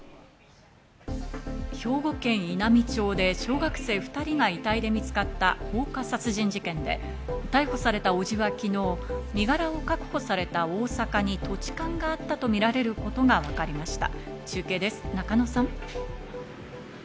兵庫県稲美町で小学生２人が遺体で見つかった放火殺人事件で、逮捕された伯父は昨日、身柄を確保された大阪に土地勘があったとみられることがわかりました。